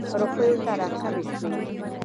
روپیو ته را کمې شوې.